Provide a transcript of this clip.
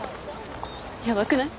やばくない？